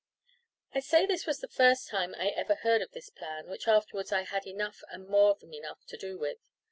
I say this was the first time I ever heard of this plan, which afterwards I had enough and more than enough to do with.